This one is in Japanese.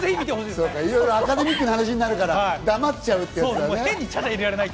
アカデミックな話になるから黙っちゃうんだね。